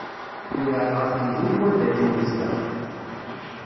Yebεed ɣef temdint wanda akken yezdeɣ.